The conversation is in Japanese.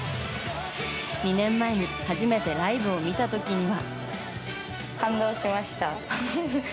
２年前に初めてライブを見た時には。